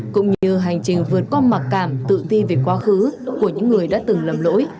cũng như hành trình vượt qua mặc cảm tự ti về quá khứ của những người đã từng lầm lỗi